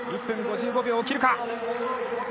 １分５５秒を切るか？